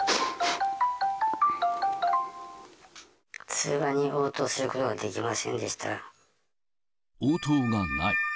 通話に応答することができま応答がない。